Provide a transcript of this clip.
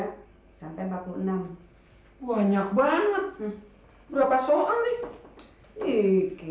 nihnya dari ramadhan dua puluh tiga empat puluh enam banyak banget berapa soal di dekit tenteng dua puluh soal